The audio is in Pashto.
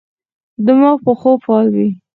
دماغ په خوب فعال وي.